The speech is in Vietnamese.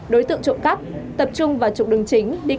đối tượng trộm cắp tập trung vào trộm đường trình